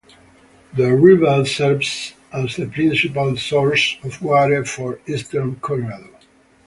The river serves as the principal source of water for eastern Colorado.